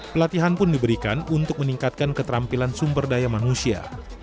pelatihan pun diberikan untuk meningkatkan keterampilan sumber daya manusia